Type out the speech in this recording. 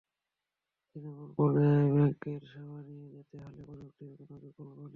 তৃণমূল পর্যায়ে ব্যাংকের সেবা নিয়ে যেতে হলে প্রযুক্তির কোনো বিকল্প নেই।